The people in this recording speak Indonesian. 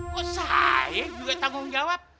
kok saya juga tanggung jawab